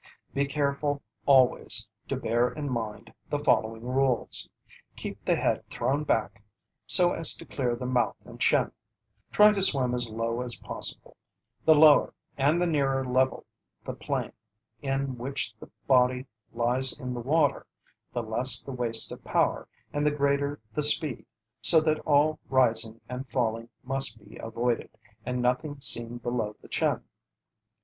Be careful always to bear in mind the following rules: Keep the head thrown back so as to clear the mouth and chin. Try to swim as low as possible. The lower and the nearer level the plane in which the body lies in the water, the less the waste of power and the greater the speed, so that all rising and falling must be avoided, and nothing seen below the chin.